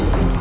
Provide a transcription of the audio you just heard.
gak mau kali